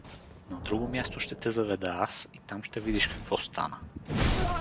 На друго място ще те заведа аз и там ще видиш какво стана.